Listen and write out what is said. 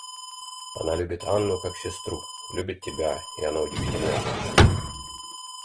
Она любит Анну как сестру, любит тебя, и она удивительная женщина.